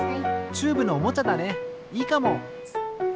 チューブのおもちゃだねいいかも。